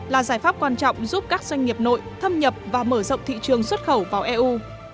là giải pháp quan trọng giúp các doanh nghiệp nội thâm nhập và mở rộng thị trường xuất khẩu vào eu